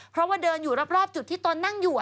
เพราะว่าเดินอยู่รอบจุดที่ตนนั่งอยู่